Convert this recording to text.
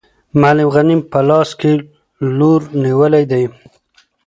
معلم غني په لاس کې لور نیولی دی.